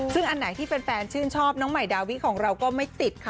ซึ่งอันไหนที่แฟนชื่นชอบน้องใหม่ดาวิของเราก็ไม่ติดค่ะ